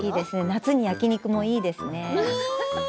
夏に焼き肉もいいですね。